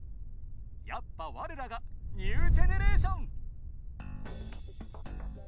やっぱ我らがニュージェネレーション！」。